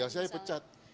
ya saya pecat